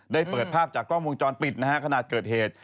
ได้เปิดภาพจากกล้องวงจรปิดนะฮะขณะเกิดเหตุ